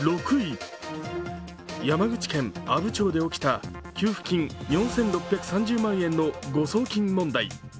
山口県阿武町で起きた給付金４６３０万円の誤送金問題。